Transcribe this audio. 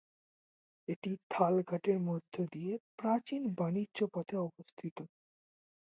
এটি থাল ঘাটের মধ্য দিয়ে প্রাচীন বাণিজ্য পথে অবস্থিত।